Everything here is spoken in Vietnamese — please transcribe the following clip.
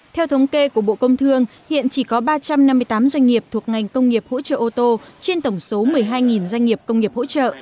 theo thống kê của bộ công thương hiện chỉ có ba trăm năm mươi tám doanh nghiệp thuộc ngành công nghiệp hỗ trợ ô tô trên tổng số một mươi hai doanh nghiệp công nghiệp hỗ trợ